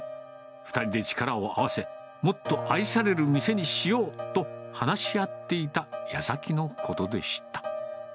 ２人で力を合わせ、もっと愛される店にしようと話し合っていたやさきのことでした。